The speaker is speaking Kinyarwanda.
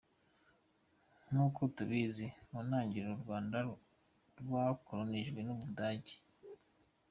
Nk’uko tubizi, mu ntangiriro u Rwanda rwakolonijwe n’u Budage.